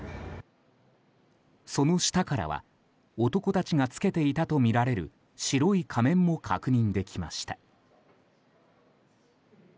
その下からは男たちが着けていたとみられる白い仮面も確認できました。